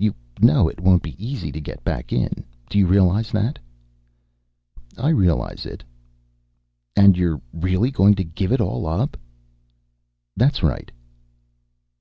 You know, it won't be easy to get back in again. Do you realize that?" "I realize it." "And you're really going to give it all up?" "That's right."